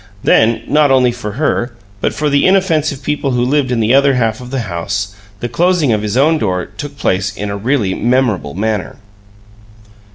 Then, not only for her, but for the inoffensive people who lived in the other half of the house, the closing of his own door took place in a really memorable manner.